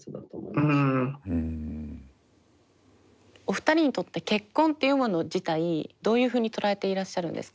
お二人にとって結婚っていうもの自体どういうふうに捉えていらっしゃるんですかね？